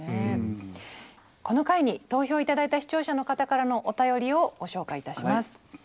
この回に投票頂いた視聴者の方からのお便りをご紹介いたします。